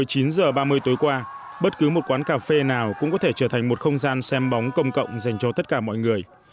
khoảng chín giờ ba mươi tối qua bất cứ một quán cà phê nào cũng có thể trở thành một không gian xem bóng công cộng dành cho tất cả mọi người